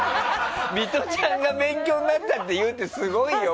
ミトちゃんが勉強になったって言うってすごいよ。